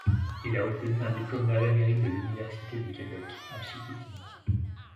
Il a obtenu un diplôme d'ingénierie de l'Université du Québec à Chicoutimi.